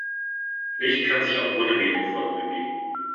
Licht kann sich auch ohne Medium fortbewegen.